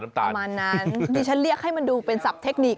ประมาณนั้นดิฉันเรียกให้มันดูเป็นศัพทเทคนิค